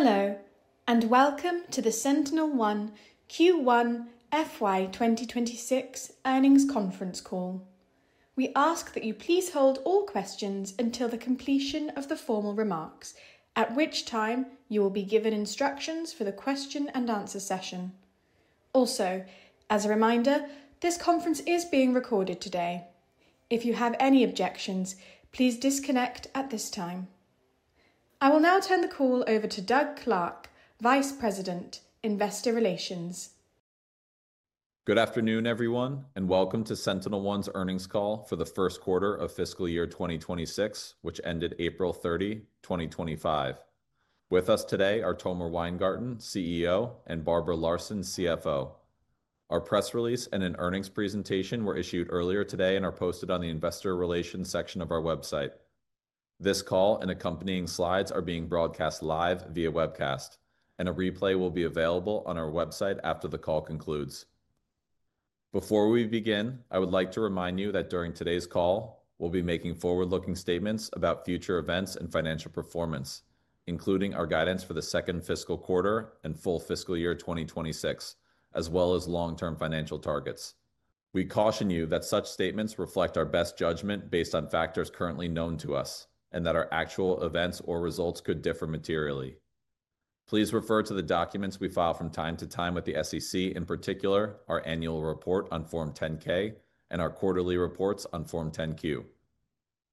Hello, and welcome to the SentinelOne Q1 FY2026 earnings conference call. We ask that you please hold all questions until the completion of the formal remarks, at which time you will be given instructions for the question-and-answer session. Also, as a reminder, this conference is being recorded today. If you have any objections, please disconnect at this time. I will now turn the call over to Doug Clark, Vice President, Investor Relations. Good afternoon, everyone, and welcome to SentinelOne's earnings call for the first quarter of fiscal year 2026, which ended April 30, 2025. With us today are Tomer Weingarten, CEO, and Barbara Larson, CFO. Our press release and an earnings presentation were issued earlier today and are posted on the Investor Relations section of our website. This call and accompanying slides are being broadcast live via webcast, and a replay will be available on our website after the call concludes. Before we begin, I would like to remind you that during today's call, we'll be making forward-looking statements about future events and financial performance, including our guidance for the second fiscal quarter and full fiscal year 2026, as well as long-term financial targets. We caution you that such statements reflect our best judgment based on factors currently known to us and that our actual events or results could differ materially. Please refer to the documents we file from time to time with the SEC, in particular our annual report on Form 10-K and our quarterly reports on Form 10-Q.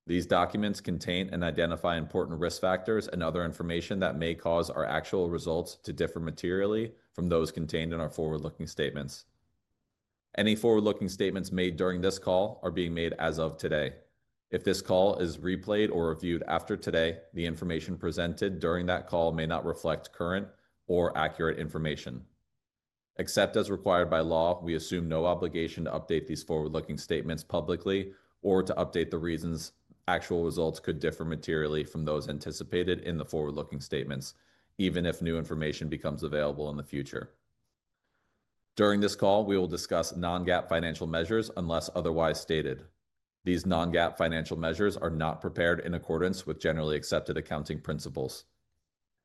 These documents contain and identify important risk factors and other information that may cause our actual results to differ materially from those contained in our forward-looking statements. Any forward-looking statements made during this call are being made as of today. If this call is replayed or reviewed after today, the information presented during that call may not reflect current or accurate information. Except as required by law, we assume no obligation to update these forward-looking statements publicly or to update the reasons actual results could differ materially from those anticipated in the forward-looking statements, even if new information becomes available in the future. During this call, we will discuss non-GAAP financial measures unless otherwise stated. These non-GAAP financial measures are not prepared in accordance with generally accepted accounting principles.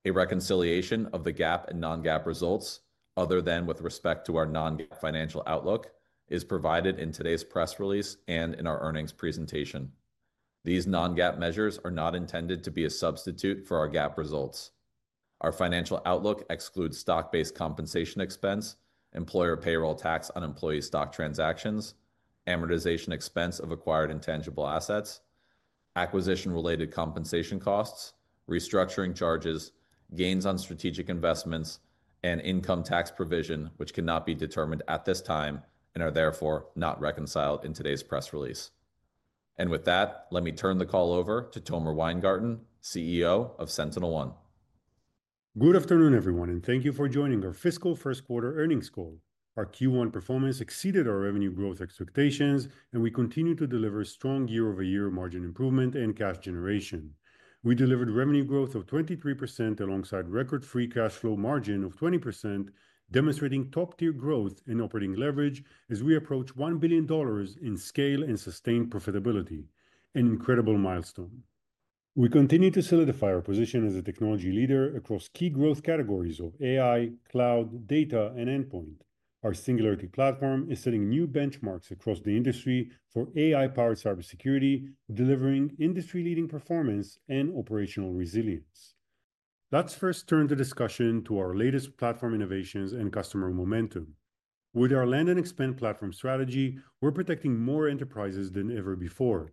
A reconciliation of the GAAP and non-GAAP results, other than with respect to our non-GAAP financial outlook, is provided in today's press release and in our earnings presentation. These non-GAAP measures are not intended to be a substitute for our GAAP results. Our financial outlook excludes stock-based compensation expense, employer payroll tax on employee stock transactions, amortization expense of acquired intangible assets, acquisition-related compensation costs, restructuring charges, gains on strategic investments, and income tax provision, which cannot be determined at this time and are therefore not reconciled in today's press release. With that, let me turn the call over to Tomer Weingarten, CEO of SentinelOne. Good afternoon, everyone, and thank you for joining our fiscal first quarter earnings call. Our Q1 performance exceeded our revenue growth expectations, and we continue to deliver strong year-over-year margin improvement and cash generation. We delivered revenue growth of 23% alongside record-free cash flow margin of 20%, demonstrating top-tier growth in operating leverage as we approach $1 billion in scale and sustained profitability, an incredible milestone. We continue to solidify our position as a technology leader across key growth categories of AI, cloud, data, and endpoint. Our Singularity platform is setting new benchmarks across the industry for AI-powered cybersecurity, delivering industry-leading performance and operational resilience. Let's first turn the discussion to our latest platform innovations and customer momentum. With our land and expand platform strategy, we're protecting more enterprises than ever before.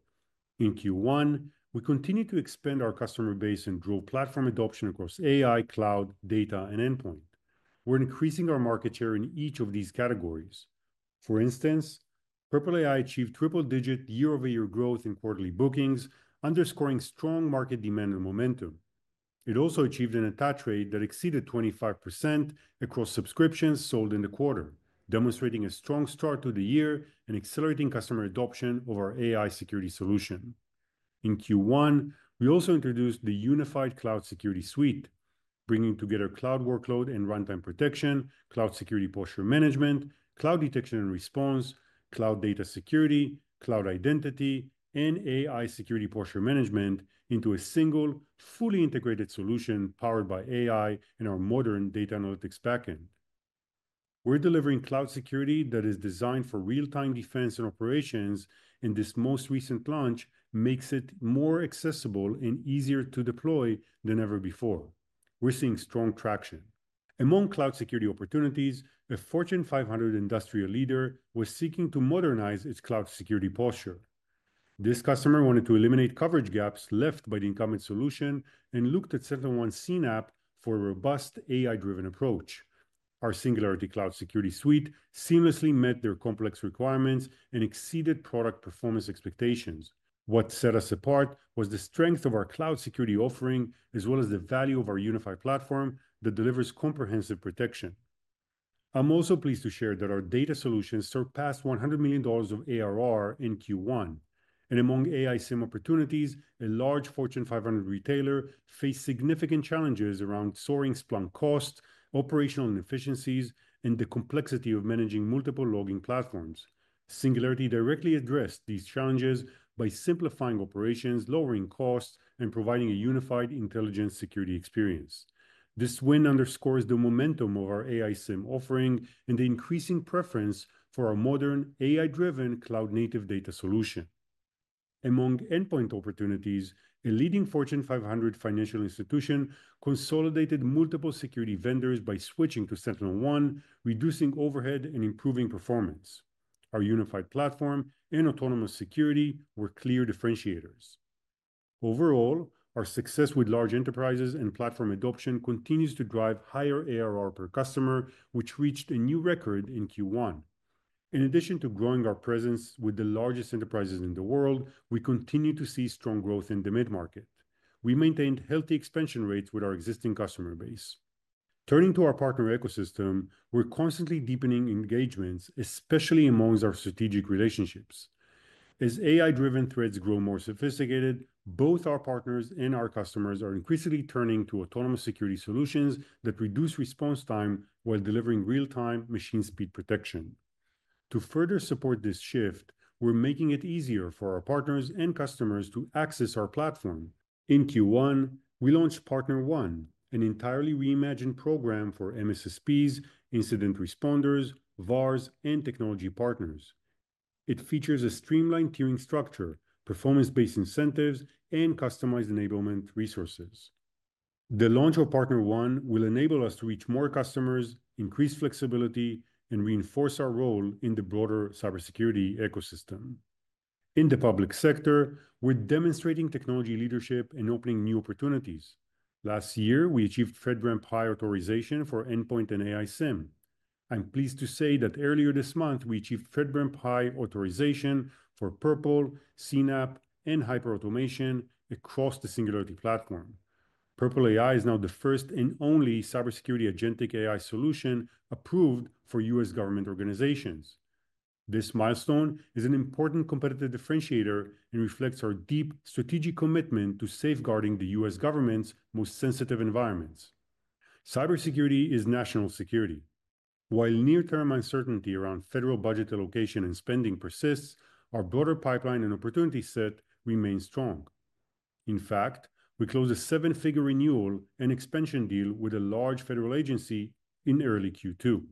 In Q1, we continue to expand our customer base and draw platform adoption across AI, cloud, data, and endpoint. We're increasing our market share in each of these categories. For instance, Purple AI achieved triple-digit year-over-year growth in quarterly bookings, underscoring strong market demand and momentum. It also achieved an attach rate that exceeded 25% across subscriptions sold in the quarter, demonstrating a strong start to the year and accelerating customer adoption of our AI security solution. In Q1, we also introduced the unified cloud security suite, bringing together cloud workload and runtime protection, cloud security posture management, cloud detection and response, cloud data security, cloud identity, and AI security posture management into a single, fully integrated solution powered by AI and our modern data analytics backend. We're delivering cloud security that is designed for real-time defense and operations, and this most recent launch makes it more accessible and easier to deploy than ever before. We're seeing strong traction. Among cloud security opportunities, a Fortune 500 industrial leader was seeking to modernize its cloud security posture. This customer wanted to eliminate coverage gaps left by the incumbent solution and looked at SentinelOne CNAPP for a robust AI-driven approach. Our Singularity cloud security suite seamlessly met their complex requirements and exceeded product performance expectations. What set us apart was the strength of our cloud security offering, as well as the value of our unified platform that delivers comprehensive protection. I'm also pleased to share that our data solution surpassed $100 million of ARR in Q1. Among AI SIEM opportunities, a large Fortune 500 retailer faced significant challenges around soaring Splunk costs, operational inefficiencies, and the complexity of managing multiple logging platforms. Singularity directly addressed these challenges by simplifying operations, lowering costs, and providing a unified intelligence security experience. This win underscores the momentum of our AI SIEM offering and the increasing preference for our modern AI-driven cloud-native data solution. Among endpoint opportunities, a leading Fortune 500 financial institution consolidated multiple security vendors by switching to SentinelOne, reducing overhead and improving performance. Our unified platform and autonomous security were clear differentiators. Overall, our success with large enterprises and platform adoption continues to drive higher ARR per customer, which reached a new record in Q1. In addition to growing our presence with the largest enterprises in the world, we continue to see strong growth in the mid-market. We maintained healthy expansion rates with our existing customer base. Turning to our partner ecosystem, we're constantly deepening engagements, especially amongst our strategic relationships. As AI-driven threats grow more sophisticated, both our partners and our customers are increasingly turning to autonomous security solutions that reduce response time while delivering real-time machine speed protection. To further support this shift, we're making it easier for our partners and customers to access our platform. In Q1, we launched PartnerOne, an entirely reimagined program for MSSPs, incident responders, VARs, and technology partners. It features a streamlined tiering structure, performance-based incentives, and customized enablement resources. The launch of PartnerOne will enable us to reach more customers, increase flexibility, and reinforce our role in the broader cybersecurity ecosystem. In the public sector, we're demonstrating technology leadership and opening new opportunities. Last year, we achieved FedRAMP high authorization for endpoint and AI SIEM. I'm pleased to say that earlier this month, we achieved FedRAMP high authorization for Purple, CNAPP, and hyperautomation across the Singularity platform. Purple AI is now the first and only cybersecurity agentic AI solution approved for U.S. government organizations. This milestone is an important competitive differentiator and reflects our deep strategic commitment to safeguarding the U.S. government's most sensitive environments. Cybersecurity is national security. While near-term uncertainty around federal budget allocation and spending persists, our broader pipeline and opportunity set remain strong. In fact, we closed a seven-figure renewal and expansion deal with a large federal agency in early Q2.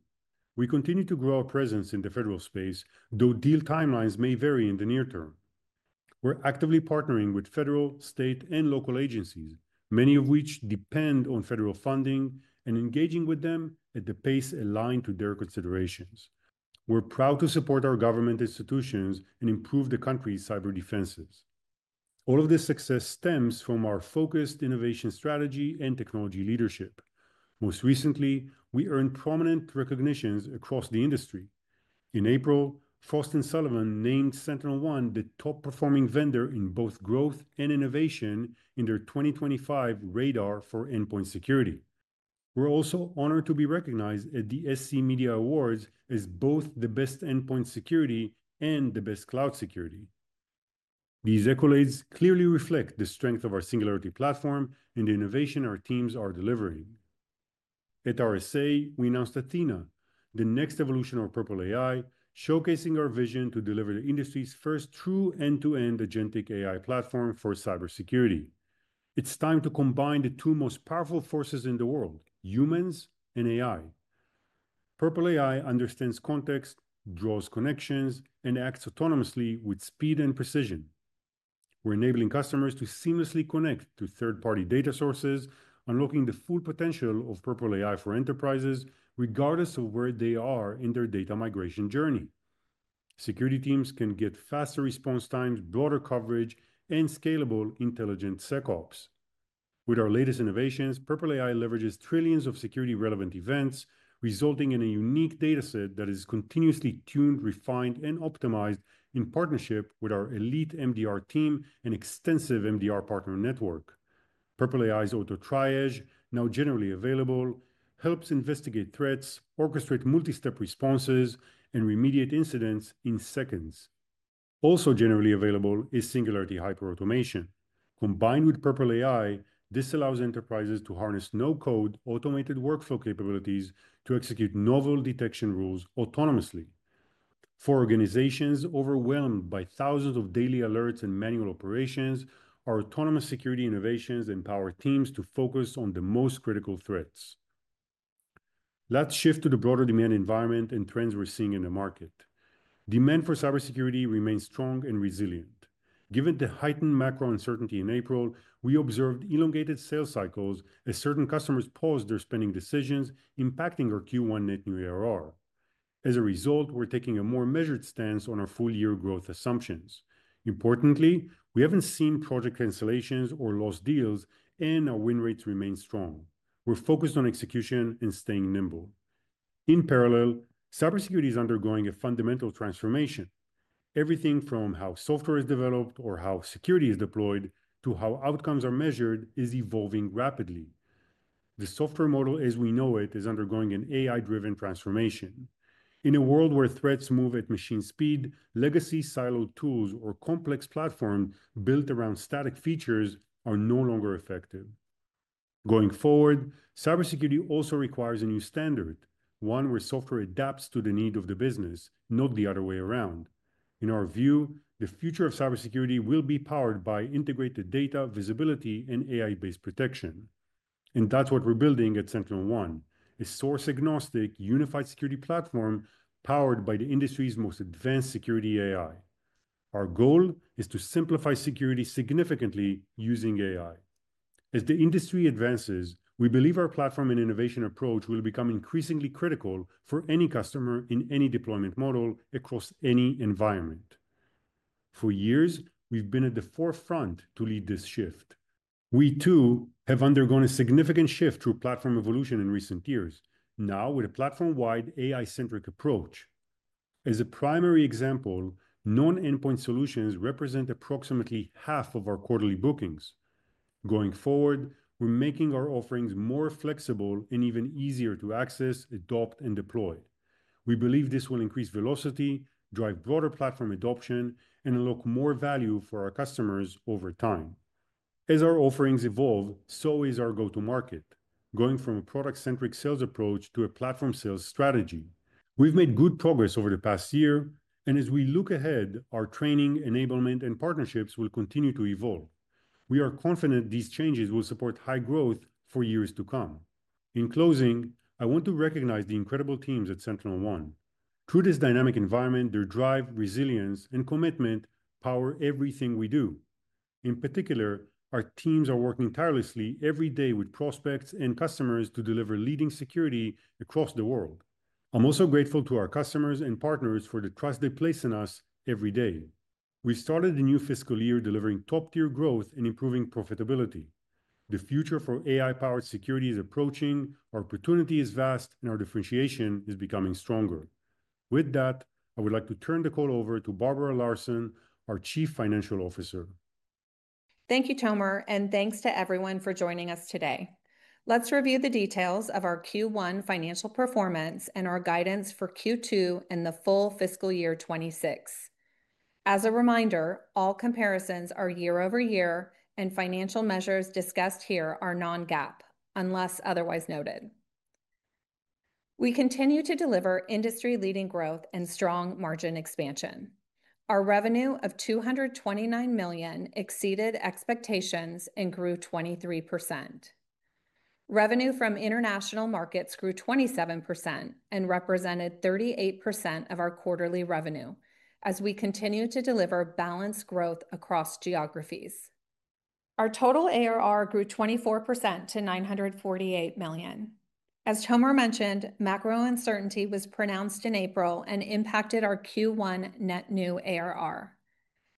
We continue to grow our presence in the federal space, though deal timelines may vary in the near term. We're actively partnering with federal, state, and local agencies, many of which depend on federal funding, and engaging with them at the pace aligned to their considerations. We're proud to support our government institutions and improve the country's cyber defenses. All of this success stems from our focused innovation strategy and technology leadership. Most recently, we earned prominent recognitions across the industry. In April, Frost & Sullivan named SentinelOne the top-performing vendor in both growth and innovation in their 2025 radar for endpoint security. We're also honored to be recognized at the SC Media Awards as both the best endpoint security and the best cloud security. These accolades clearly reflect the strength of our Singularity platform and the innovation our teams are delivering. At RSA, we announced Athena, the next evolution of Purple AI, showcasing our vision to deliver the industry's first true end-to-end agentic AI platform for cybersecurity. It's time to combine the two most powerful forces in the world: humans and AI. Purple AI understands context, draws connections, and acts autonomously with speed and precision. We're enabling customers to seamlessly connect to third-party data sources, unlocking the full potential of Purple AI for enterprises, regardless of where they are in their data migration journey. Security teams can get faster response times, broader coverage, and scalable intelligent SecOps. With our latest innovations, Purple AI leverages trillions of security-relevant events, resulting in a unique data set that is continuously tuned, refined, and optimized in partnership with our elite MDR team and extensive MDR partner network. Purple AI's auto triage, now generally available, helps investigate threats, orchestrate multi-step responses, and remediate incidents in seconds. Also generally available is Singularity hyperautomation. Combined with Purple AI, this allows enterprises to harness no-code automated workflow capabilities to execute novel detection rules autonomously. For organizations overwhelmed by thousands of daily alerts and manual operations, our autonomous security innovations empower teams to focus on the most critical threats. Let's shift to the broader demand environment and trends we're seeing in the market. Demand for cybersecurity remains strong and resilient. Given the heightened macro uncertainty in April, we observed elongated sales cycles as certain customers paused their spending decisions, impacting our Q1 net new ARR. As a result, we're taking a more measured stance on our full-year growth assumptions. Importantly, we haven't seen project cancellations or lost deals, and our win rates remain strong. We're focused on execution and staying nimble. In parallel, cybersecurity is undergoing a fundamental transformation. Everything from how software is developed or how security is deployed to how outcomes are measured is evolving rapidly. The software model as we know it is undergoing an AI-driven transformation. In a world where threats move at machine speed, legacy siloed tools or complex platforms built around static features are no longer effective. Going forward, cybersecurity also requires a new standard, one where software adapts to the need of the business, not the other way around. In our view, the future of cybersecurity will be powered by integrated data, visibility, and AI-based protection. That is what we're building at SentinelOne, a source-agnostic unified security platform powered by the industry's most advanced security AI. Our goal is to simplify security significantly using AI. As the industry advances, we believe our platform and innovation approach will become increasingly critical for any customer in any deployment model across any environment. For years, we've been at the forefront to lead this shift. We, too, have undergone a significant shift through platform evolution in recent years, now with a platform-wide AI-centric approach. As a primary example, non-endpoint solutions represent approximately half of our quarterly bookings. Going forward, we're making our offerings more flexible and even easier to access, adopt, and deploy. We believe this will increase velocity, drive broader platform adoption, and unlock more value for our customers over time. As our offerings evolve, so is our go-to-market, going from a product-centric sales approach to a platform sales strategy. We've made good progress over the past year, and as we look ahead, our training, enablement, and partnerships will continue to evolve. We are confident these changes will support high growth for years to come. In closing, I want to recognize the incredible teams at SentinelOne. Through this dynamic environment, their drive, resilience, and commitment power everything we do. In particular, our teams are working tirelessly every day with prospects and customers to deliver leading security across the world. I'm also grateful to our customers and partners for the trust they place in us every day. We've started the new fiscal year delivering top-tier growth and improving profitability. The future for AI-powered security is approaching, our opportunity is vast, and our differentiation is becoming stronger. With that, I would like to turn the call over to Barbara Larson, our Chief Financial Officer. Thank you, Tomer, and thanks to everyone for joining us today. Let's review the details of our Q1 financial performance and our guidance for Q2 and the full fiscal year 2026. As a reminder, all comparisons are year-over-year, and financial measures discussed here are non-GAAP, unless otherwise noted. We continue to deliver industry-leading growth and strong margin expansion. Our revenue of $229 million exceeded expectations and grew 23%. Revenue from international markets grew 27% and represented 38% of our quarterly revenue as we continue to deliver balanced growth across geographies. Our total ARR grew 24% to $948 million. As Tomer mentioned, macro uncertainty was pronounced in April and impacted our Q1 net new ARR.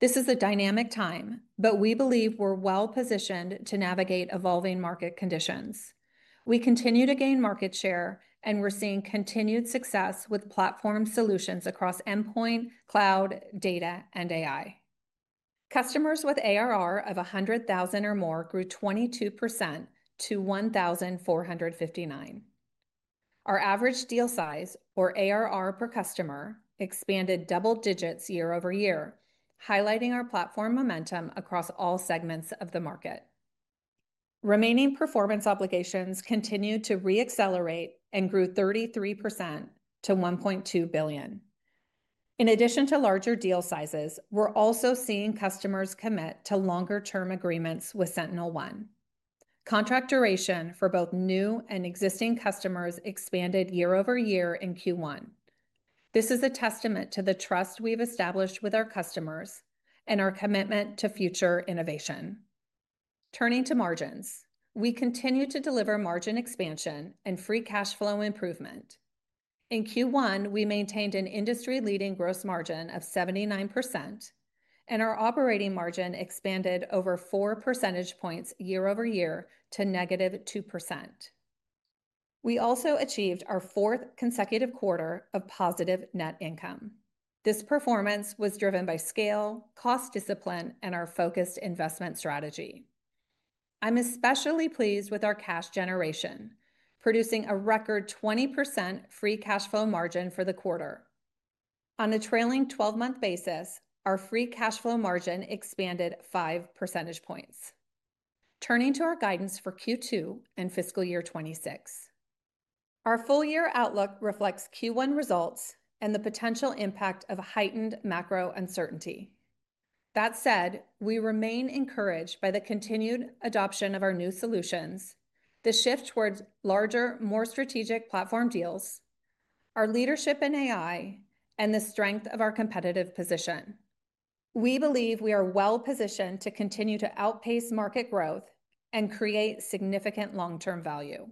This is a dynamic time, but we believe we're well-positioned to navigate evolving market conditions. We continue to gain market share, and we're seeing continued success with platform solutions across endpoint, cloud, data, and AI. Customers with ARR of $100,000 or more grew 22% to 1,459. Our average deal size, or ARR per customer, expanded double digits year-over-year, highlighting our platform momentum across all segments of the market. Remaining performance obligations continue to re-accelerate and grew 33% to $1.2 billion. In addition to larger deal sizes, we're also seeing customers commit to longer-term agreements with SentinelOne. Contract duration for both new and existing customers expanded year-over-year in Q1. This is a testament to the trust we've established with our customers and our commitment to future innovation. Turning to margins, we continue to deliver margin expansion and free cash flow improvement. In Q1, we maintained an industry-leading gross margin of 79%, and our operating margin expanded over four percentage points year-over-year to negative 2%. We also achieved our fourth consecutive quarter of positive net income. This performance was driven by scale, cost discipline, and our focused investment strategy. I'm especially pleased with our cash generation, producing a record 20% free cash flow margin for the quarter. On a trailing 12-month basis, our free cash flow margin expanded five percentage points. Turning to our guidance for Q2 and fiscal year 2026, our full-year outlook reflects Q1 results and the potential impact of heightened macro uncertainty. That said, we remain encouraged by the continued adoption of our new solutions, the shift towards larger, more strategic platform deals, our leadership in AI, and the strength of our competitive position. We believe we are well-positioned to continue to outpace market growth and create significant long-term value.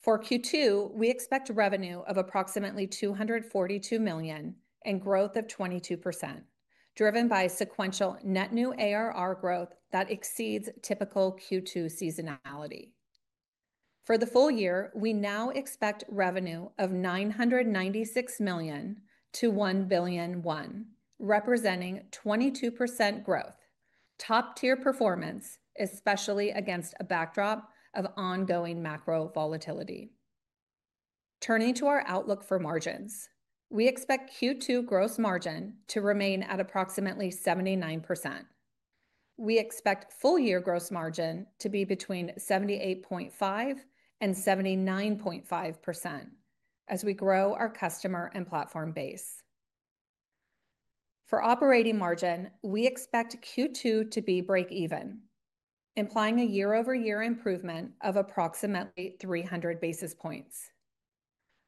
For Q2, we expect revenue of approximately $242 million and growth of 22%, driven by sequential net new ARR growth that exceeds typical Q2 seasonality. For the full year, we now expect revenue of $996 million-$1 billion, representing 22% growth, top-tier performance, especially against a backdrop of ongoing macro volatility. Turning to our outlook for margins, we expect Q2 gross margin to remain at approximately 79%. We expect full-year gross margin to be between 78.5%-79.5% as we grow our customer and platform base. For operating margin, we expect Q2 to be break-even, implying a year-over-year improvement of approximately 300 basis points.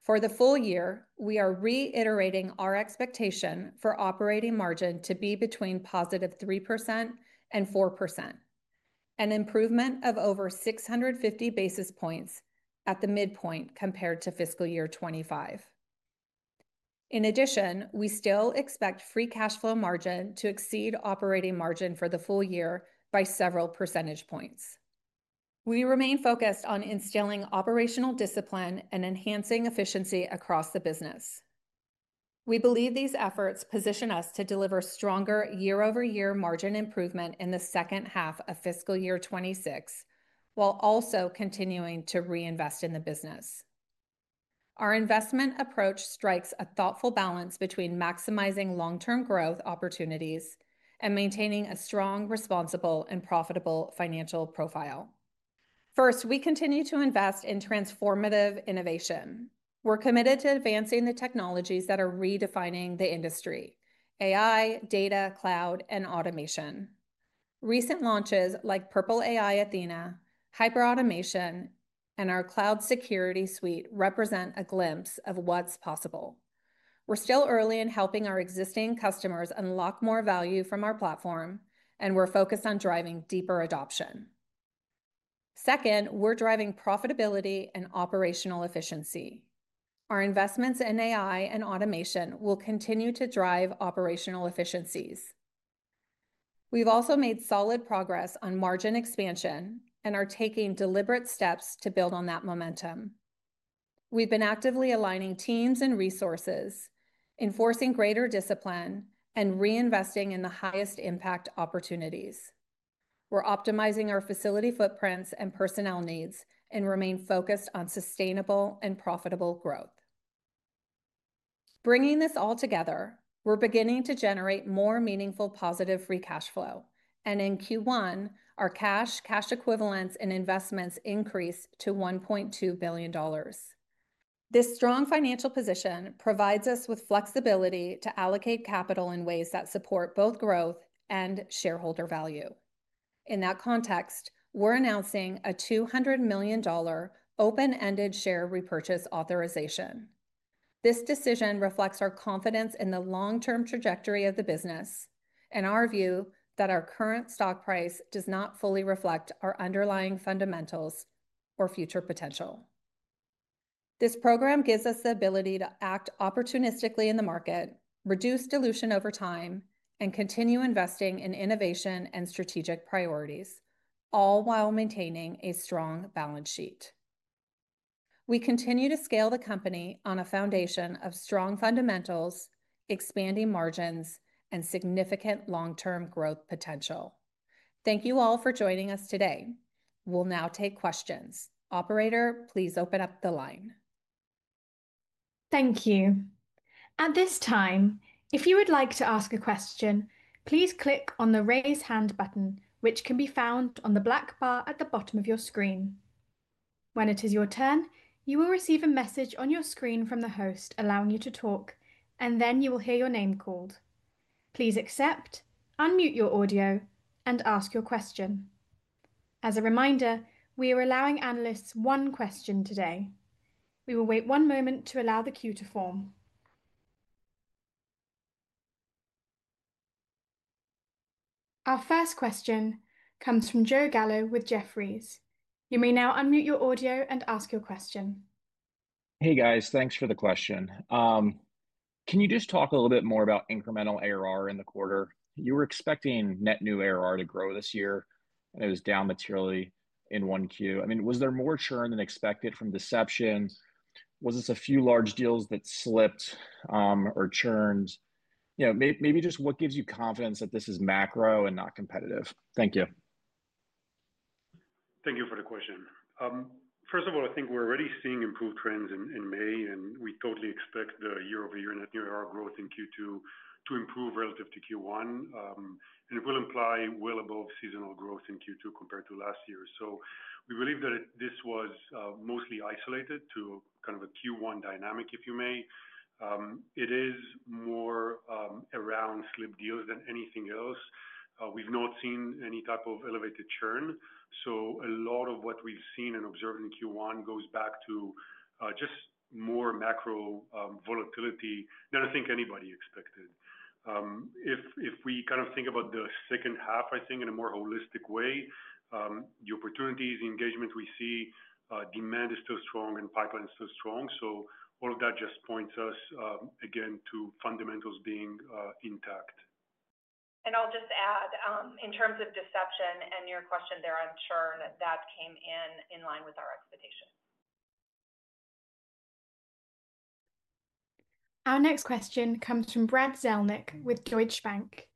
For the full year, we are reiterating our expectation for operating margin to be between positive 3% and 4%, an improvement of over 650 basis points at the midpoint compared to fiscal year 2025. In addition, we still expect free cash flow margin to exceed operating margin for the full year by several percentage points. We remain focused on instilling operational discipline and enhancing efficiency across the business. We believe these efforts position us to deliver stronger year-over-year margin improvement in the second half of fiscal year 2026, while also continuing to reinvest in the business. Our investment approach strikes a thoughtful balance between maximizing long-term growth opportunities and maintaining a strong, responsible, and profitable financial profile. First, we continue to invest in transformative innovation. We're committed to advancing the technologies that are redefining the industry: AI, data, cloud, and automation. Recent launches like Purple AI Athena, hyperautomation, and our cloud security suite represent a glimpse of what's possible. We're still early in helping our existing customers unlock more value from our platform, and we're focused on driving deeper adoption. Second, we're driving profitability and operational efficiency. Our investments in AI and automation will continue to drive operational efficiencies. We've also made solid progress on margin expansion and are taking deliberate steps to build on that momentum. We've been actively aligning teams and resources, enforcing greater discipline, and reinvesting in the highest impact opportunities. We're optimizing our facility footprints and personnel needs and remain focused on sustainable and profitable growth. Bringing this all together, we're beginning to generate more meaningful positive free cash flow, and in Q1, our cash, cash equivalents, and investments increased to $1.2 billion. This strong financial position provides us with flexibility to allocate capital in ways that support both growth and shareholder value. In that context, we're announcing a $200 million open-ended share repurchase authorization. This decision reflects our confidence in the long-term trajectory of the business and our view that our current stock price does not fully reflect our underlying fundamentals or future potential. This program gives us the ability to act opportunistically in the market, reduce dilution over time, and continue investing in innovation and strategic priorities, all while maintaining a strong balance sheet. We continue to scale the company on a foundation of strong fundamentals, expanding margins, and significant long-term growth potential. Thank you all for joining us today. We'll now take questions. Operator, please open up the line. Thank you. At this time, if you would like to ask a question, please click on the raise hand button, which can be found on the black bar at the bottom of your screen. When it is your turn, you will receive a message on your screen from the host allowing you to talk, and then you will hear your name called. Please accept, unmute your audio, and ask your question. As a reminder, we are allowing analysts one question today. We will wait one moment to allow the queue to form. Our first question comes from Joe Gallo with Jefferies. You may now unmute your audio and ask your question. Hey, guys. Thanks for the question. Can you just talk a little bit more about incremental ARR in the quarter? You were expecting net new ARR to grow this year, and it was down materially in one Q. I mean, was there more churn than expected from deception? Was this a few large deals that slipped, or churned? You know, maybe just what gives you confidence that this is macro and not competitive? Thank you. Thank you for the question. First of all, I think we're already seeing improved trends in May, and we totally expect the year-over-year net new ARR growth in Q2 to improve relative to Q1. It will imply well above seasonal growth in Q2 compared to last year. We believe that this was mostly isolated to kind of a Q1 dynamic, if you may. It is more around slipped deals than anything else. We've not seen any type of elevated churn. A lot of what we've seen and observed in Q1 goes back to just more macro volatility than I think anybody expected. If we kind of think about the second half, I think, in a more holistic way, the opportunities, the engagement we see, demand is still strong and pipeline is still strong. All of that just points us, again, to fundamentals being intact. I'll just add, in terms of deception and your question there, I'm sure that that came in in line with our expectations. Our next question comes from Brad Zelnick with Deutsche Bank.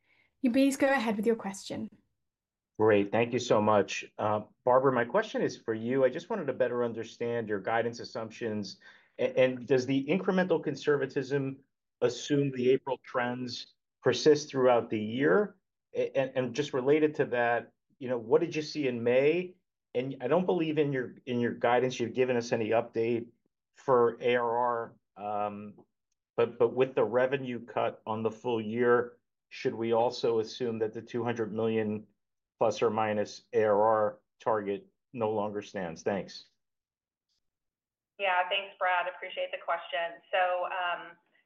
You please go ahead with your question. Great. Thank you so much. Barbara my question is for you. I just want a better understanding your guidance and assumptions Does the increment of the conservatism as soon as April starts related persist throughout out the year what did you see in May? I do not believe in your guidance you have given us any update for ARR, but with the revenue cut on the full year, should we also assume that the $200 million plus or minus ARR target no longer stands? Thanks. Yeah, thanks, Brad. Appreciate the question.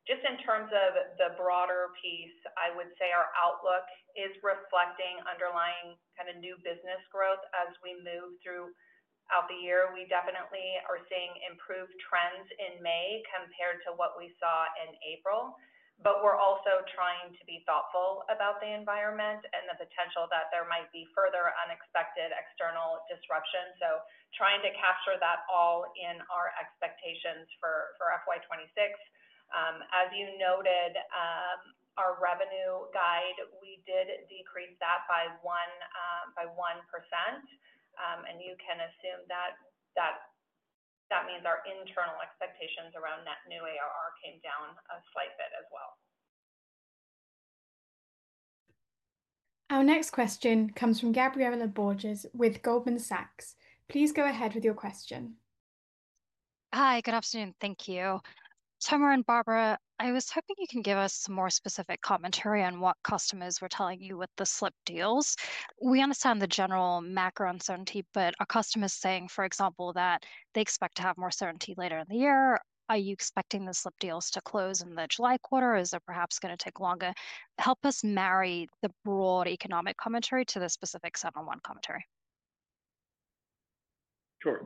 Just in terms of the broader piece, I would say our outlook is reflecting underlying kind of new business growth as we move throughout the year. We definitely are seeing improved trends in May compared to what we saw in April, but we are also trying to be thoughtful about the environment and the potential that there might be further unexpected external disruption. Trying to capture that all in our expectations for FY2026. As you noted, our revenue guide, we did decrease that by 1%. You can assume that means our internal expectations around net new ARR came down a slight bit as well. Our next question comes from Gabriela Borges with Goldman Sachs. Please go ahead with your question. Hi, good afternoon. Thank you. Tomer and Barbara, I was hoping you can give us some more specific commentary on what customers were telling you with the slip deals. We understand the general macro uncertainty, but are customers saying, for example, that they expect to have more certainty later in the year? Are you expecting the slip deals to close in the July quarter? Is it perhaps going to take longer? Help us marry the broad economic commentary to the specific 701 commentary. Sure.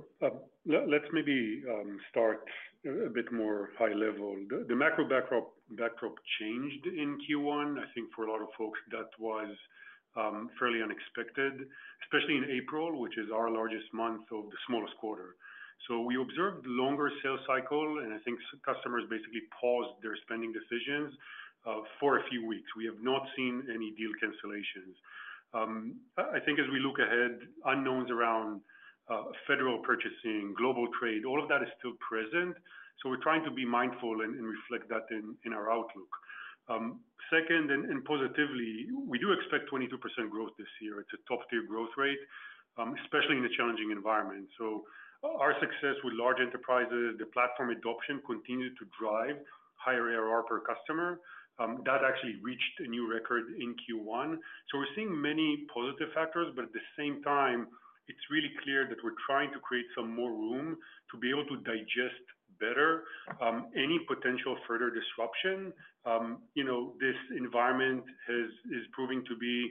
Let's maybe start a bit more high level. The macro backdrop changed in Q1. I think for a lot of folks, that was fairly unexpected, especially in April, which is our largest month of the smallest quarter. We observed a longer sales cycle, and I think customers basically paused their spending decisions for a few weeks. We have not seen any deal cancellations. I think as we look ahead, unknowns around federal purchasing, global trade, all of that is still present. We are trying to be mindful and reflect that in our outlook. Second, and positively, we do expect 22% growth this year. It is a top-tier growth rate, especially in a challenging environment. Our success with large enterprises, the platform adoption continued to drive higher ARR per customer. That actually reached a new record in Q1. We're seeing many positive factors, but at the same time, it's really clear that we're trying to create some more room to be able to digest better any potential further disruption. You know, this environment is proving to be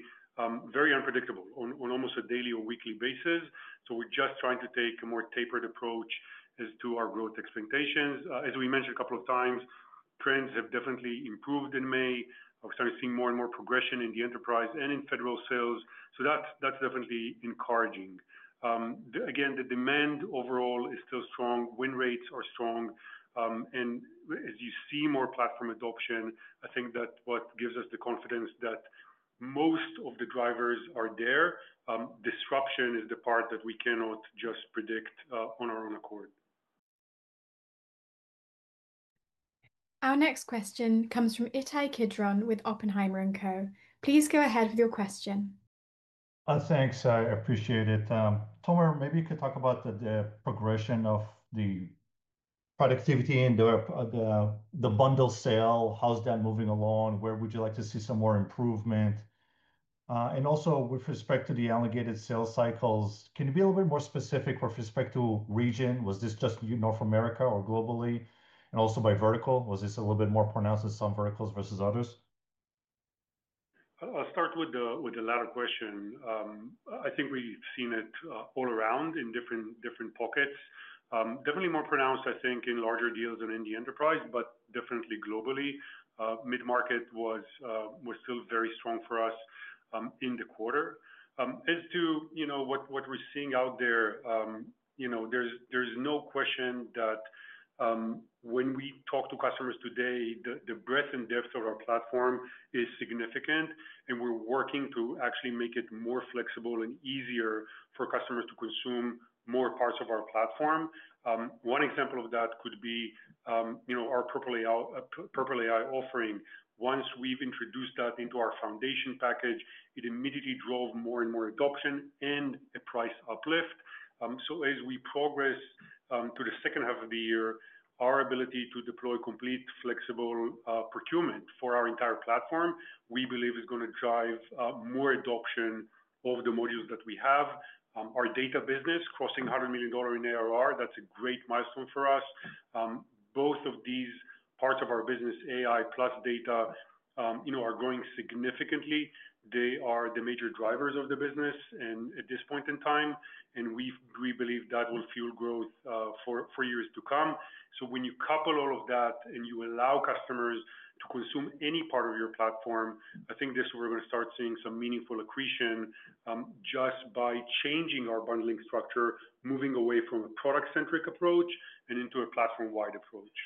very unpredictable on almost a daily or weekly basis. We're just trying to take a more tapered approach as to our growth expectations. As we mentioned a couple of times, trends have definitely improved in May. We're starting to see more and more progression in the enterprise and in federal sales. That's definitely encouraging. Again, the demand overall is still strong. Win rates are strong, and as you see more platform adoption, I think that is what gives us the confidence that most of the drivers are there. Disruption is the part that we cannot just predict on our own accord. Our next question comes from Ittai Kidron with Oppenheimer & Co. Please go ahead with your question. Thanks. I appreciate it. Tomer, maybe you could talk about the progression of the productivity and the bundle sale. How's that moving along? Where would you like to see some more improvement? Also, with respect to the allocated sales cycles, can you be a little bit more specific with respect to region? Was this just North America or globally? Also by vertical, was this a little bit more pronounced in some verticals versus others? I'll start with the latter question. I think we've seen it all around in different pockets. Definitely more pronounced, I think, in larger deals than in the enterprise, but definitely globally. Mid-market was still very strong for us in the quarter. As to, you know, what we're seeing out there, you know, there's no question that, when we talk to customers today, the breadth and depth of our platform is significant, and we're working to actually make it more flexible and easier for customers to consume more parts of our platform. One example of that could be, you know, our Purple AI offering. Once we've introduced that into our foundation package, it immediately drove more and more adoption and a price uplift. As we progress through the second half of the year, our ability to deploy complete flexible procurement for our entire platform, we believe, is going to drive more adoption of the modules that we have. Our data business crossing $100 million in ARR, that's a great milestone for us. Both of these parts of our business, AI plus data, you know, are growing significantly. They are the major drivers of the business at this point in time, and we believe that will fuel growth for years to come. When you couple all of that and you allow customers to consume any part of your platform, I think we are going to start seeing some meaningful accretion just by changing our bundling structure, moving away from a product-centric approach and into a platform-wide approach.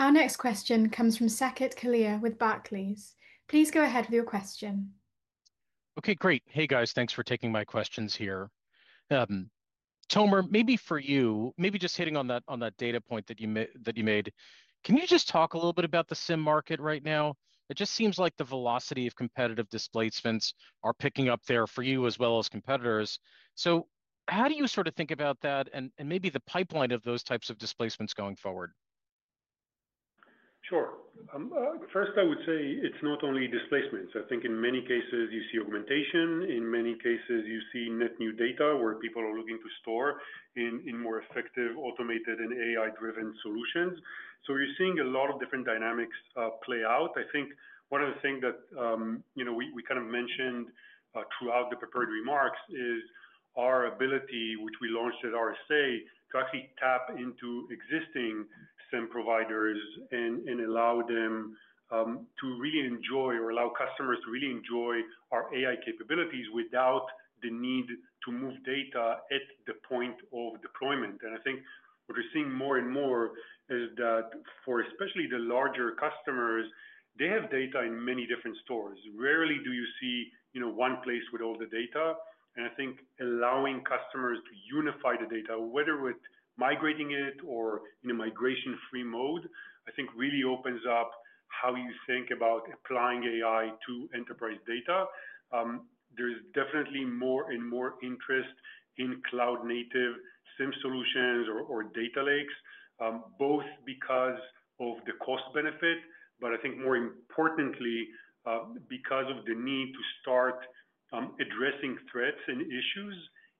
Our next question comes from Saket Kalia with Barclays. Please go ahead with your question. Okay, great. Hey, guys, thanks for taking my questions here. Tomer, maybe for you, maybe just hitting on that data point that you made, can you just talk a little bit about the SIEM market right now? It just seems like the velocity of competitive displacements are picking up there for you as well as competitors. How do you sort of think about that and maybe the pipeline of those types of displacements going forward? Sure. First, I would say it's not only displacements. I think in many cases, you see augmentation. In many cases, you see net new data where people are looking to store in more effective, automated, and AI-driven solutions. You are seeing a lot of different dynamics play out. I think one of the things that, you know, we kind of mentioned throughout the prepared remarks is our ability, which we launched at RSA, to actually tap into existing SIEM providers and allow them to really enjoy or allow customers to really enjoy our AI capabilities without the need to move data at the point of deployment. I think what we're seeing more and more is that for especially the larger customers, they have data in many different stores. Rarely do you see, you know, one place with all the data. I think allowing customers to unify the data, whether with migrating it or in a migration-free mode, really opens up how you think about applying AI to enterprise data. There's definitely more and more interest in cloud-native SIEM solutions or data lakes, both because of the cost benefit, but more importantly, because of the need to start addressing threats and issues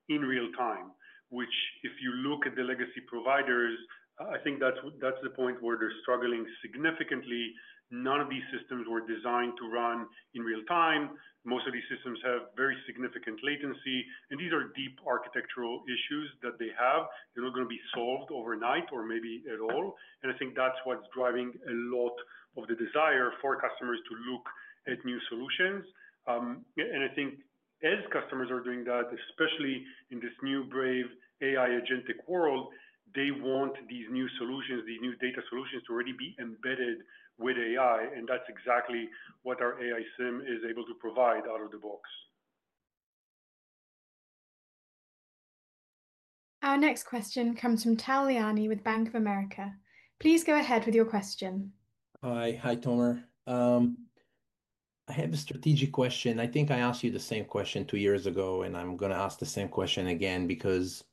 in real time, which if you look at the legacy providers, that's the point where they're struggling significantly. None of these systems were designed to run in real time. Most of these systems have very significant latency, and these are deep architectural issues that they have. They're not going to be solved overnight or maybe at all. I think that's what's driving a lot of the desire for customers to look at new solutions. I think as customers are doing that, especially in this new, brave AI agentic world, they want these new solutions, these new data solutions to already be embedded with AI. That's exactly what our AI SIEM is able to provide out of the box. Our next question comes from Tal Liani with Bank of America. Please go ahead with your question. Hi, hi Tomer. I have a strategic question. I think I asked you the same question two years ago, and I'm going to ask the same question again because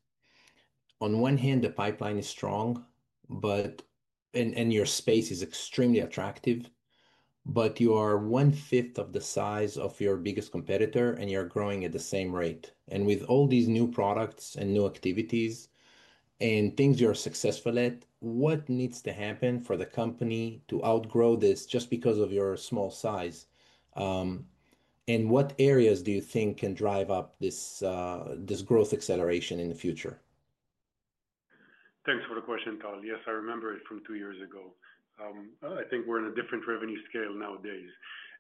on one hand, the pipeline is strong, and your space is extremely attractive, but you are one-fifth of the size of your biggest competitor, and you're growing at the same rate. With all these new products and new activities and things you're successful at, what needs to happen for the company to outgrow this just because of your small size? What areas do you think can drive up this growth acceleration in the future? Thanks for the question, Tal Yes, I remember it from two years ago. I think we're on a different revenue scale nowadays.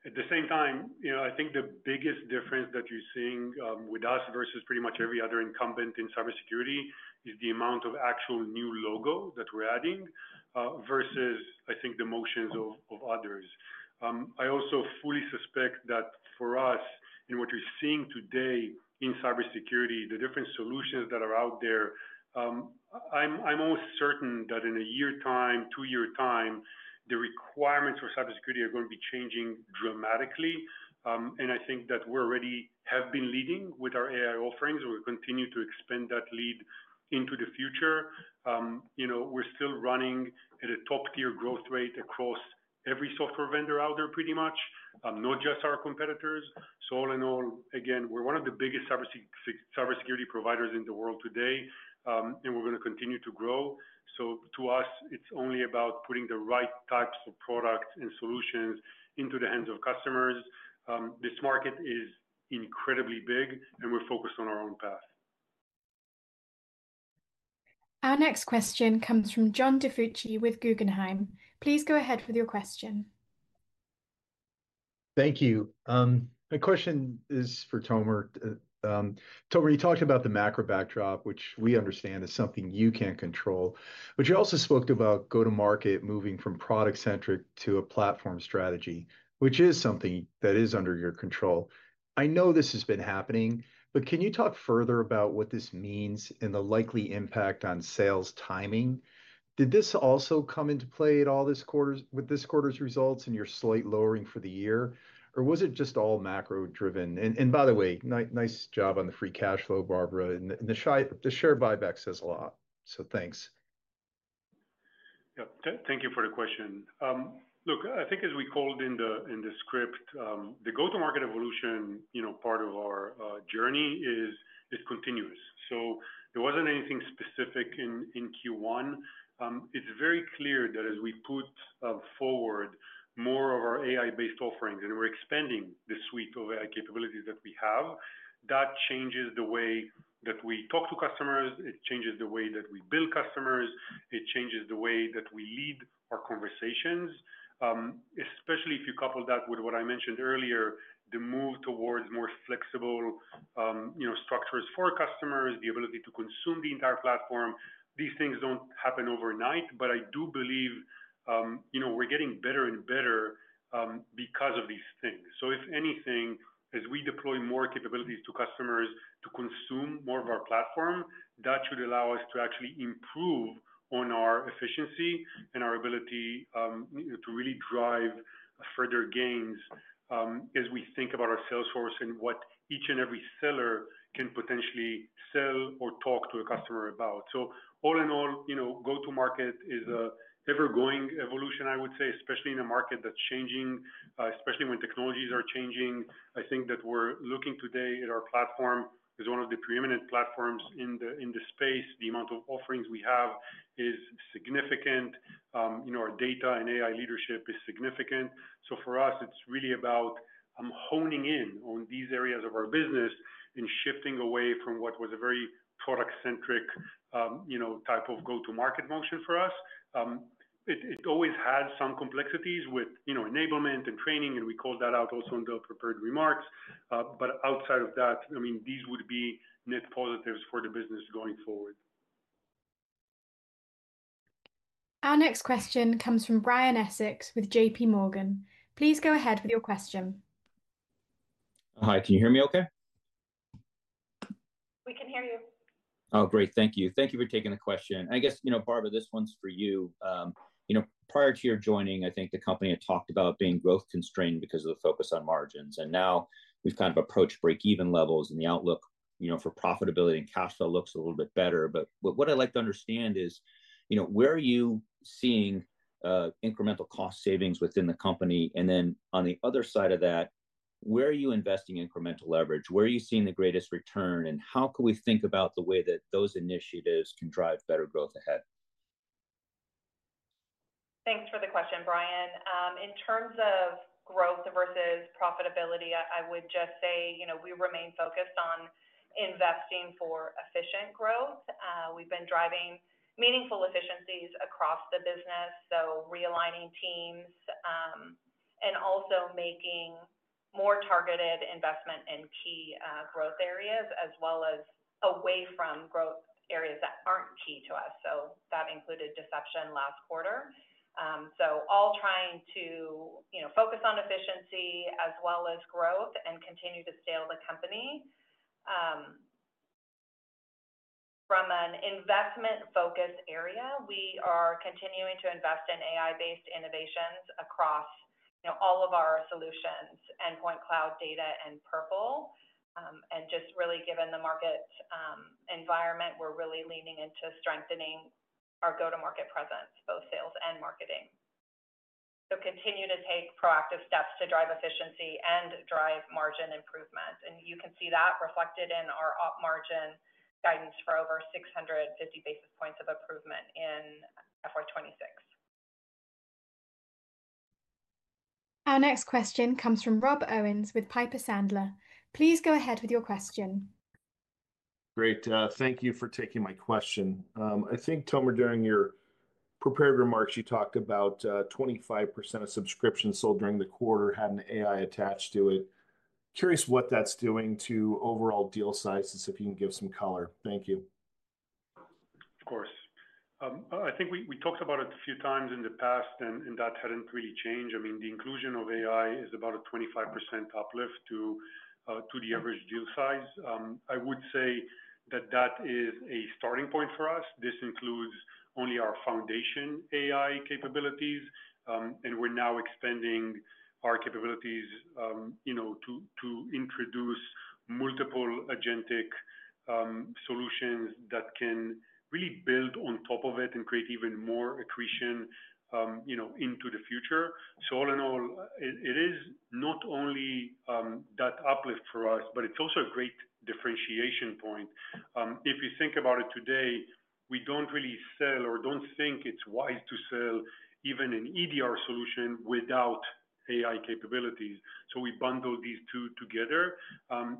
At the same time, you know, I think the biggest difference that you're seeing with us versus pretty much every other incumbent in cybersecurity is the amount of actual new logo that we're adding, versus, I think, the motions of others. I also fully suspect that for us, in what you're seeing today in cybersecurity, the different solutions that are out there, I'm almost certain that in a year time, two-year time, the requirements for cybersecurity are going to be changing dramatically. I think that we already have been leading with our AI offerings, and we'll continue to expand that lead into the future. You know, we're still running at a top-tier growth rate across every software vendor out there, pretty much, not just our competitors. All in all, again, we're one of the biggest cybersecurity providers in the world today, and we're going to continue to grow. To us, it's only about putting the right types of products and solutions into the hands of customers. This market is incredibly big, and we're focused on our own path. Our next question comes from John DiFucci with Guggenheim. Please go ahead with your question. Thank you. My question is for Tomer. Tomer, you talked about the macro backdrop, which we understand is something you can't control, but you also spoke about go-to-market moving from product-centric to a platform strategy, which is something that is under your control. I know this has been happening, but can you talk further about what this means and the likely impact on sales timing? Did this also come into play at all this quarter with this quarter's results and your slight lowering for the year, or was it just all macro-driven? By the way, nice job on the free cash flow, Barbara. The share buyback says a lot. Thanks. Yeah, thank you for the question. Look, I think as we called in the script, the go-to-market evolution, you know, part of our journey is continuous. There wasn't anything specific in Q1. It's very clear that as we put forward more of our AI-based offerings and we're expanding the suite of AI capabilities that we have, that changes the way that we talk to customers. It changes the way that we bill customers. It changes the way that we lead our conversations, especially if you couple that with what I mentioned earlier, the move towards more flexible, you know, structures for customers, the ability to consume the entire platform. These things do not happen overnight, but I do believe, you know, we are getting better and better, because of these things. If anything, as we deploy more capabilities to customers to consume more of our platform, that should allow us to actually improve on our efficiency and our ability to really drive further gains, as we think about our salesforce and what each and every seller can potentially sell or talk to a customer about. All in all, you know, go-to-market is an ever-growing evolution, I would say, especially in a market that is changing, especially when technologies are changing. I think that we're looking today at our platform as one of the preeminent platforms in the space. The amount of offerings we have is significant. You know, our data and AI leadership is significant. For us, it's really about honing in on these areas of our business and shifting away from what was a very product-centric, you know, type of go-to-market motion for us. It always has some complexities with, you know, enablement and training, and we called that out also in the prepared remarks. Outside of that, I mean, these would be net positives for the business going forward. Our next question comes from Brian Essex with JP Morgan. Please go ahead with your question. Hi, can you hear me okay? We can hear you. Oh, great. Thank you. Thank you for taking the question. I guess, you know, Barbara, this one's for you. You know, prior to your joining, I think the company had talked about being growth-constrained because of the focus on margins. Now we've kind of approached break-even levels, and the outlook, you know, for profitability and cash flow looks a little bit better. What I'd like to understand is, you know, where are you seeing incremental cost savings within the company? Then on the other side of that, where are you investing incremental leverage? Where are you seeing the greatest return? How can we think about the way that those initiatives can drive better growth ahead? Thanks for the question, Brian. In terms of growth versus profitability, I would just say, you know, we remain focused on investing for efficient growth. We've been driving meaningful efficiencies across the business, realigning teams, and also making more targeted investment in key growth areas as well as away from growth areas that aren't key to us. That included deception last quarter. All trying to, you know, focus on efficiency as well as growth and continue to scale the company. From an investment-focused area, we are continuing to invest in AI-based innovations across, you know, all of our solutions, Endpoint, Cloud, Data, and Purple. Just really given the market environment, we're really leaning into strengthening our go-to-market presence, both sales and marketing. Continue to take proactive steps to drive efficiency and drive margin improvement. You can see that reflected in our op margin guidance for over 650 basis points of improvement in FY2026. Our next question comes from Rob Owens with Piper Sandler. Please go ahead with your question. Great. Thank you for taking my question. I think, Tomer, during your prepared remarks, you talked about 25% of subscriptions sold during the quarter had an AI attached to it. Curious what that's doing to overall deal sizes, if you can give some color. Thank you. Of course. I think we talked about it a few times in the past, and that hadn't really changed. I mean, the inclusion of AI is about a 25% uplift to the average deal size. I would say that that is a starting point for us. This includes only our foundation AI capabilities, and we're now expanding our capabilities, you know, to introduce multiple agentic solutions that can really build on top of it and create even more accretion, you know, into the future. All in all, it is not only that uplift for us, but it's also a great differentiation point. If you think about it today, we don't really sell or don't think it's wise to sell even an EDR solution without AI capabilities. We bundle these two together,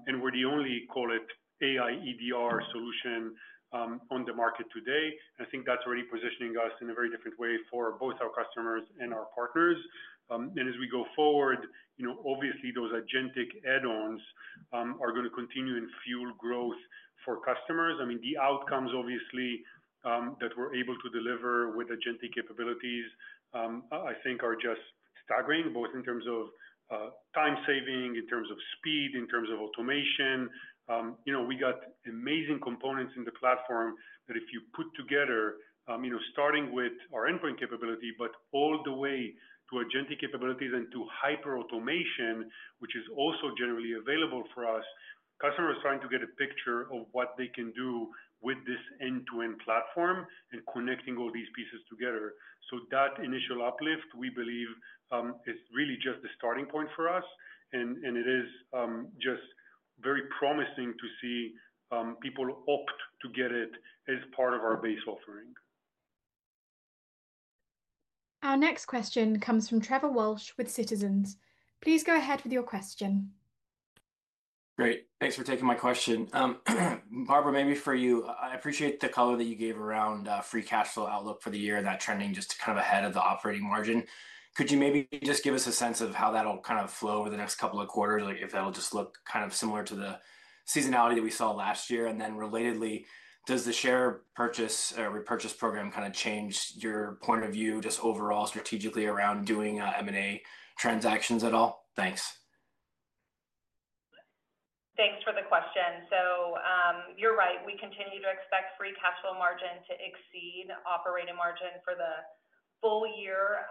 and we're the only, call it AI EDR solution, on the market today. I think that's already positioning us in a very different way for both our customers and our partners. As we go forward, you know, obviously those agentic add-ons are going to continue and fuel growth for customers. I mean, the outcomes, obviously, that we're able to deliver with agentic capabilities, I think are just staggering, both in terms of time saving, in terms of speed, in terms of automation. You know, we got amazing components in the platform that if you put together, you know, starting with our endpoint capability, but all the way to agentic capabilities and to hyperautomation, which is also generally available for us, customers are starting to get a picture of what they can do with this end-to-end platform and connecting all these pieces together. That initial uplift, we believe, is really just the starting point for us. It is just very promising to see people opt to get it as part of our base offering. Our next question comes from Trevor Walsh with Citizens. Please go ahead with your question. Great. Thanks for taking my question. Barbara, maybe for you, I appreciate the color that you gave around free cash flow outlook for the year and that trending just kind of ahead of the operating margin. Could you maybe just give us a sense of how that'll kind of flow over the next couple of quarters, like if that'll just look kind of similar to the seasonality that we saw last year? And then relatedly, does the share purchase or repurchase program kind of change your point of view just overall strategically around doing M&A transactions at all? Thanks. Thanks for the question. So, you're right. We continue to expect free cash flow margin to exceed operating margin for the full year,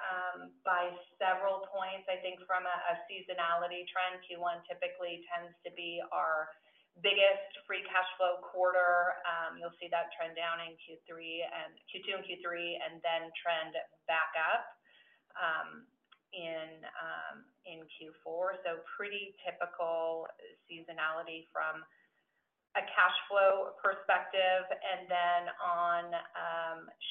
by several points. I think from a seasonality trend, Q1 typically tends to be our biggest free cash flow quarter. You'll see that trend down in Q2 and Q3, and then trend back up in Q4. Pretty typical seasonality from a cash flow perspective. On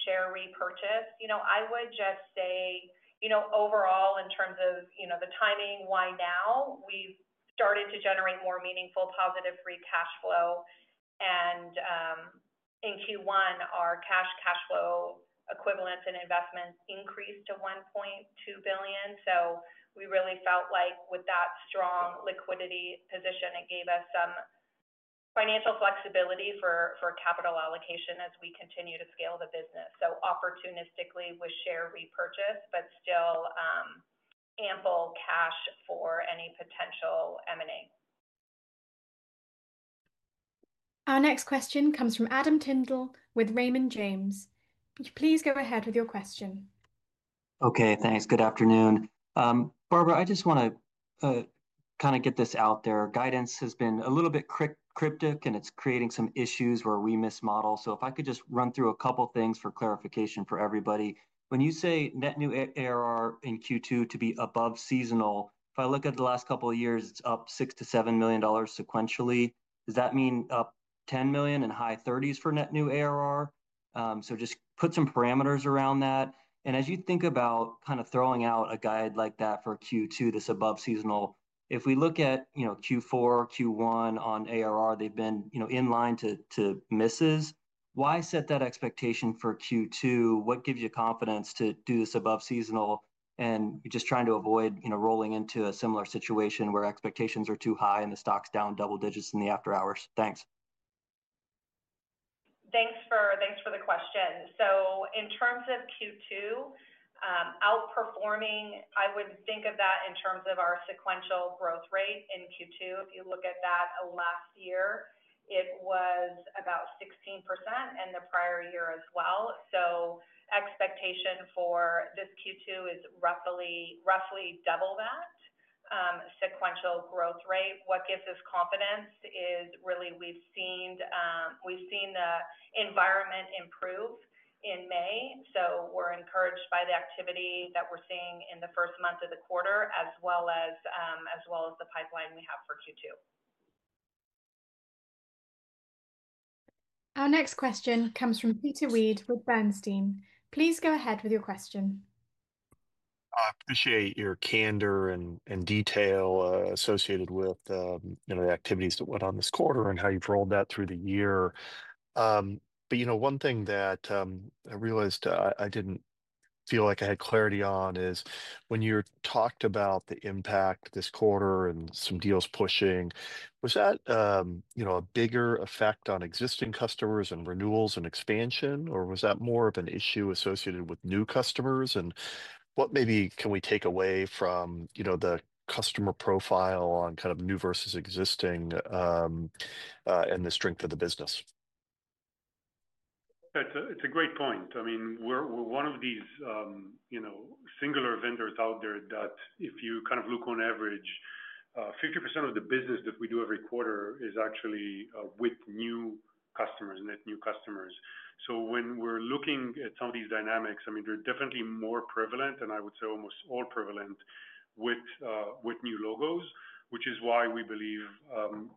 share repurchase, I would just say, overall, in terms of the timing, why now? We've started to generate more meaningful positive free cash flow. In Q1, our cash, cash flow equivalents, and investments increased to $1.2 billion. We really felt like with that strong liquidity position, it gave us some financial flexibility for capital allocation as we continue to scale the business. Opportunistically with share repurchase, but still ample cash for any potential M&A. Our next question comes from Adam Tindle with Raymond James. Please go ahead with your question. Okay, thanks. Good afternoon. Barbara, I just want to kind of get this out there. Guidance has been a little bit cryptic, and it's creating some issues where we mismodel. If I could just run through a couple of things for clarification for everybody. When you say net new ARR in Q2 to be above seasonal, if I look at the last couple of years, it's up $6-$7 million sequentially. Does that mean up $10 million and high 30s for net new ARR? Just put some parameters around that. As you think about kind of throwing out a guide like that for Q2, this above seasonal, if we look at, you know, Q4, Q1 on ARR, they've been, you know, in line to misses. Why set that expectation for Q2? What gives you confidence to do this above seasonal? You're just trying to avoid, you know, rolling into a similar situation where expectations are too high and the stock's down double digits in the after hours. Thanks. Thanks for the question. In terms of Q2, outperforming, I would think of that in terms of our sequential growth rate in Q2. If you look at that last year, it was about 16% and the prior year as well. Expectation for this Q2 is roughly double that sequential growth rate. What gives us confidence is really we've seen the environment improve in May. We're encouraged by the activity that we're seeing in the first month of the quarter, as well as the pipeline we have for Q2. Our next question comes from Peter Weed with Bernstein. Please go ahead with your question. I appreciate your candor and detail associated with, you know, the activities that went on this quarter and how you've rolled that through the year. But, you know, one thing that I realized I didn't feel like I had clarity on is when you talked about the impact this quarter and some deals pushing, was that, you know, a bigger effect on existing customers and renewals and expansion, or was that more of an issue associated with new customers? And what maybe can we take away from, you know, the customer profile on kind of new versus existing, and the strength of the business? It's a great point. I mean, we're one of these, you know, singular vendors out there that if you kind of look on average, 50% of the business that we do every quarter is actually with new customers, net new customers. When we're looking at some of these dynamics, I mean, they're definitely more prevalent, and I would say almost all prevalent with new logos, which is why we believe,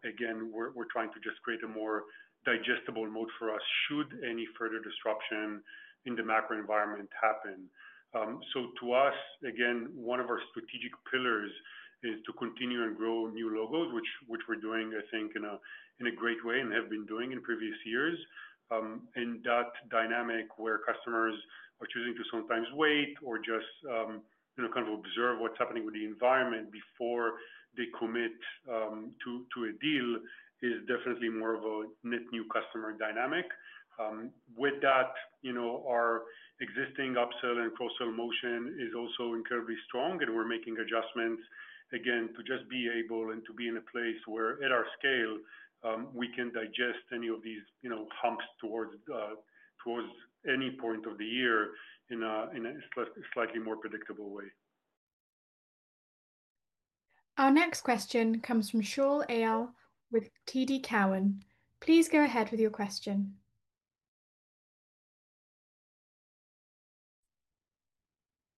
again, we're trying to just create a more digestible mode for us should any further disruption in the macro environment happen. To us, again, one of our strategic pillars is to continue and grow new logos, which we're doing, I think, in a great way and have been doing in previous years. That dynamic where customers are choosing to sometimes wait or just, you know, kind of observe what's happening with the environment before they commit to a deal is definitely more of a net new customer dynamic. With that, you know, our existing upsell and cross-sell motion is also incredibly strong, and we're making adjustments, again, to just be able and to be in a place where at our scale, we can digest any of these, you know, humps towards, towards any point of the year in a slightly more predictable way. Our next question comes from Shaul Eyal with TD Cowen. Please go ahead with your question.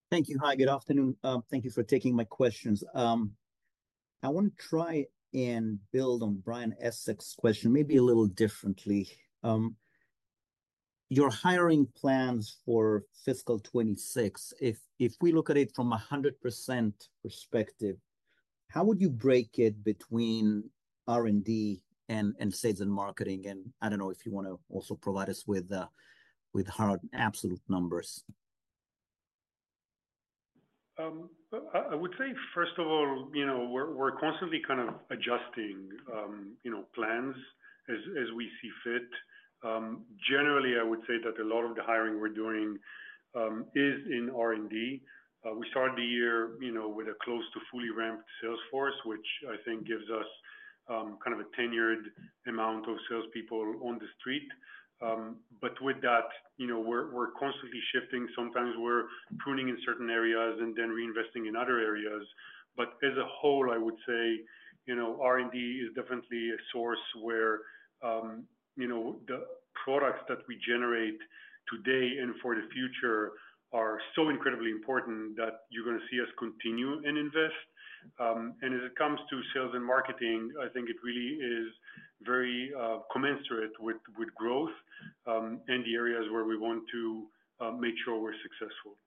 Thank you. Hi, good afternoon. Thank you for taking my questions. I want to try and build on Brian Essex's question, maybe a little differently. Your hiring plans for fiscal 2026, if we look at it from a 100% perspective, how would you break it between R&D and sales and marketing? And I do not know if you want to also provide us with hard absolute numbers. I would say, first of all, you know, we're constantly kind of adjusting, you know, plans as we see fit. Generally, I would say that a lot of the hiring we're doing is in R&D. We started the year, you know, with a close to fully ramped Salesforce, which I think gives us kind of a tenured amount of salespeople on the street. With that, you know, we're constantly shifting. Sometimes we're pruning in certain areas and then reinvesting in other areas. As a whole, I would say, you know, R&D is definitely a source where, you know, the products that we generate today and for the future are so incredibly important that you're going to see us continue and invest. As it comes to sales and marketing, I think it really is very commensurate with growth, and the areas where we want to make sure we're successful.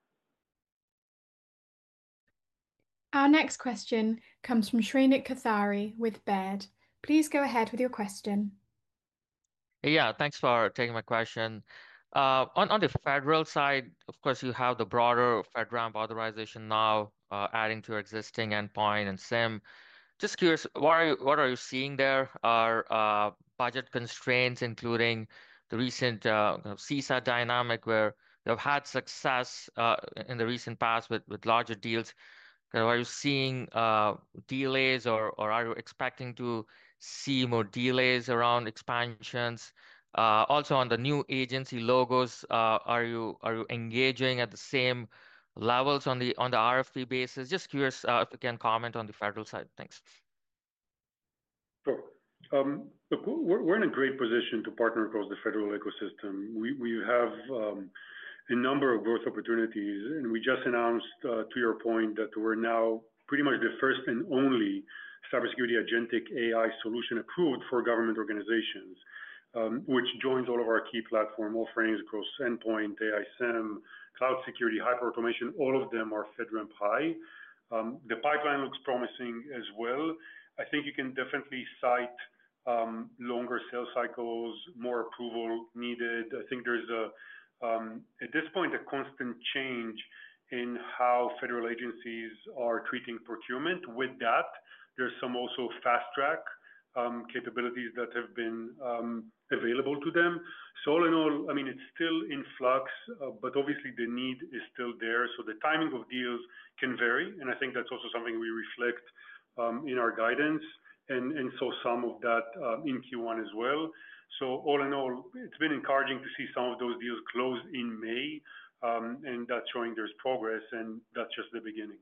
Our next question comes from Shrenik Kothari with Baird. Please go ahead with your question. Yeah, thanks for taking my question. On the federal side, of course, you have the broader federal authorization now, adding to your existing endpoint and SIEM. Just curious, what are you seeing there? Are budget constraints, including the recent kind of CSA dynamic where you've had success in the recent past with larger deals? Are you seeing delays or are you expecting to see more delays around expansions? Also, on the new agency logos, are you engaging at the same levels on the RFP basis? Just curious if you can comment on the federal side. Thanks. Sure. Look, we're in a great position to partner across the federal ecosystem. We have a number of growth opportunities, and we just announced, to your point, that we're now pretty much the first and only cybersecurity agentic AI solution approved for government organizations, which joins all of our key platform offerings across endpoint, AI SIEM, cloud security, hyperautomation. All of them are FedRAMP High. The pipeline looks promising as well. I think you can definitely cite longer sales cycles, more approval needed. I think there's, at this point, a constant change in how federal agencies are treating procurement. With that, there's some also fast track capabilities that have been available to them. All in all, I mean, it's still in flux, but obviously the need is still there. The timing of deals can vary. I think that's also something we reflect in our guidance, and some of that in Q1 as well. All in all, it's been encouraging to see some of those deals close in May, and that's showing there's progress, and that's just the beginning.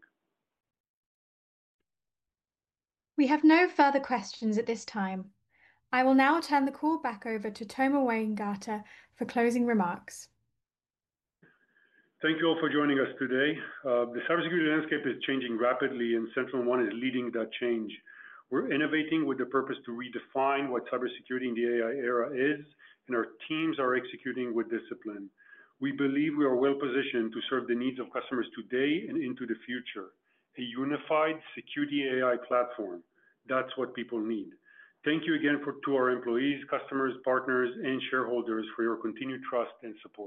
We have no further questions at this time. I will now turn the call back over to Tomer Weingarten for closing remarks. Thank you all for joining us today. The cybersecurity landscape is changing rapidly, and SentinelOne is leading that change. We're innovating with the purpose to redefine what cybersecurity in the AI era is, and our teams are executing with discipline. We believe we are well positioned to serve the needs of customers today and into the future. A unified security AI platform, that's what people need. Thank you again to our employees, customers, partners, and shareholders for your continued trust and support.